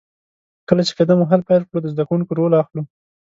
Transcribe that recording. کله چې قدم وهل پیل کړو، د زده کوونکي رول اخلو.